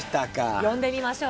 呼んでみましょう。